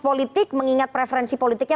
politik mengingat preferensi politiknya